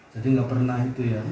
jadi gak pernah itu ya